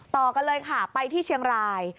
ต่อกันเลยค่ะไปที่เชียงราย